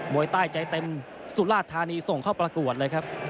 วยใต้ใจเต็มสุราธานีส่งเข้าประกวดเลยครับ